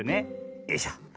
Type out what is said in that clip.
よいしょ。